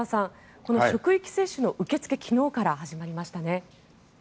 この職域接種の受け付けが昨日から始まりましたね。